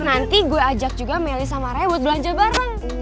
nanti gue ajak juga meli sama rewood belanja bareng